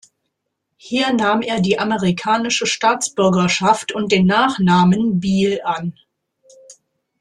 Hier nahm er die amerikanische Staatsbürgerschaft und den Nachnamen „Biel“ an.